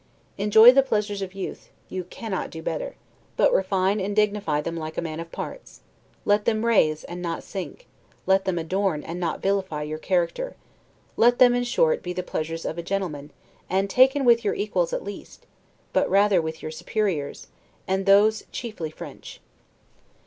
Enjoy the pleasures of youth, you cannot do better: but refine and dignify them like a man, of parts; let them raise, and not sink; let them adorn and not vilify your character; let them, in short, be the pleasures of a gentleman, and taken with your equals at least, but rather with your superiors, and those chiefly French.